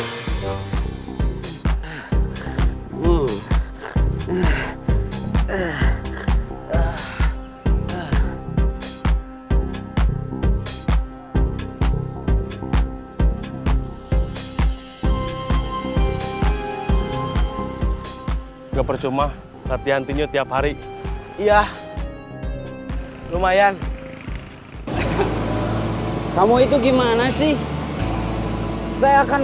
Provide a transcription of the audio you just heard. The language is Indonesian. enggak percuma latihan tonyo tiap hari iya lumayan kamu itu gimana sih saya akan